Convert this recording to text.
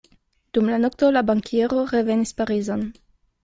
Dum la nokto la bankiero revenis Parizon.